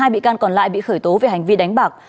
một mươi hai bị can còn lại bị khởi tố về hành vi đánh bạc